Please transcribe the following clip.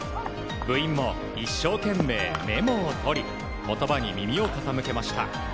部員も一生懸命メモを取り言葉に耳を傾けました。